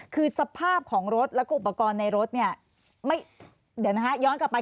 คือสภาพของรถแล้วก็อุปกรณ์ในรถเนี่ยไม่เดี๋ยวนะคะย้อนกลับไป